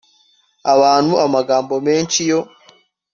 abantu amagambo menshi yo